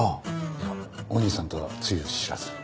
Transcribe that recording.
いやお兄さんとは露知らず。